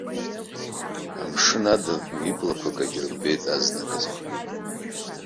Амшын ада уи иблақәа акгьы рымбеит азнык азы.